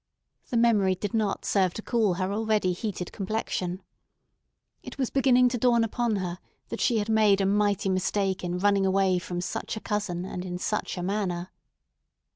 The memory did not serve to cool her already heated complexion. It was beginning to dawn upon her that she had made a mighty mistake in running away from such a cousin and in such a manner.